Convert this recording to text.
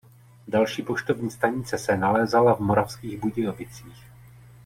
Další poštovní stanice se nalézala v Moravských Budějovicích.